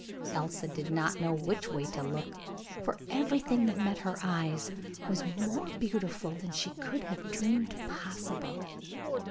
Elsa did not know which way to look, for everything that met her eyes was more beautiful than she could have dreamed possible.